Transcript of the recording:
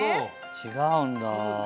違うんだ。